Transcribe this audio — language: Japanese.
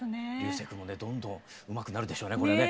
青君もねどんどんうまくなるでしょうねこれね。